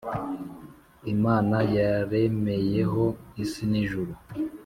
Imana yaremeyeho isi n ijuru